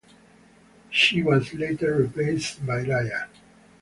She was later replaced by Laya.